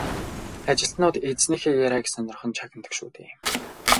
Ажилтнууд эзнийхээ яриаг сонирхон чагнадаг шүү дээ.